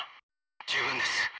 「十分です」。